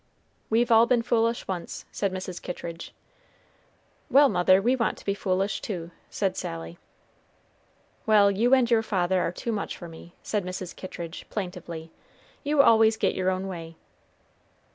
"We've all been foolish once," said Mrs. Kittridge. "Well, mother, we want to be foolish too," said Sally. "Well, you and your father are too much for me," said Mrs. Kittridge, plaintively; "you always get your own way."